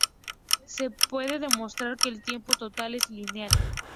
Se puede demostrar que el tiempo total es lineal.